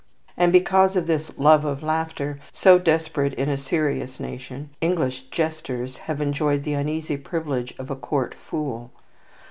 And because of this love of laughter, so desperate in a serious nation, English jesters have enjoyed the uneasy privileges of a court fool.